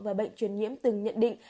và bệnh truyền nhiễm từng nhận định